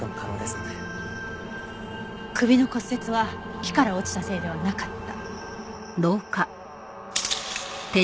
首の骨折は木から落ちたせいではなかった。